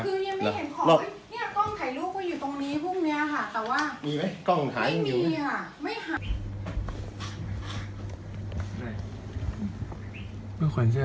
กลับมาร้อยเท้า